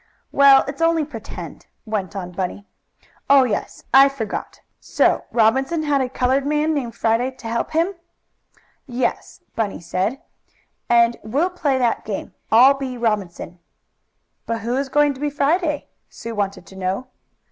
"Well, it's only pretend," went on Bunny. "Oh, yes. I forgot. So Robinson had a colored man named Friday to help him." "Yes," Bunny said, "and we'll play that game. I'll be Robinson." "But who is going to be Friday?" Sue wanted to know.